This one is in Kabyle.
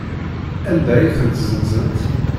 Anda ay tent-ssenzent?